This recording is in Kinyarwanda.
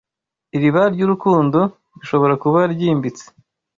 Iriba ryurukundo - rishobora kuba ryimbitse